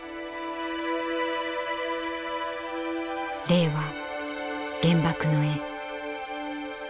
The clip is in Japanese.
「令和原爆の絵」。